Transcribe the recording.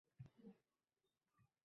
Panoh izlab kelganman.